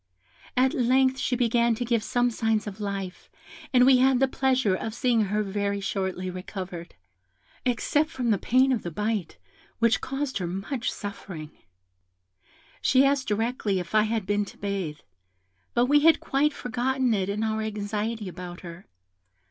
At length she began to give some signs of life, and we had the pleasure of seeing her very shortly recovered, except from the pain of the bite, which caused her much suffering. "She asked directly if I had been to bathe: but we had quite forgotten it in our anxiety about her.